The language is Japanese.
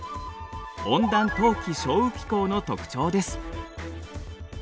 温暖冬季少雨気候の特徴です。